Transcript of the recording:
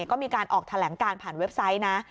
ก็มีการออกแถลงการผ่านเว็บไซต์นะ